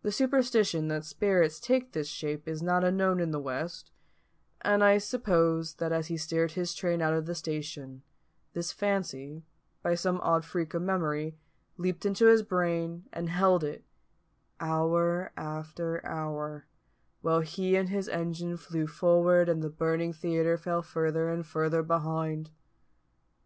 The superstition that spirits take this shape is not unknown in the West; and I suppose that as he steered his train out of the station, this fancy, by some odd freak of memory, leaped into his brain, and held it, hour after hour, while he and his engine flew forward and the burning theatre fell further and further behind.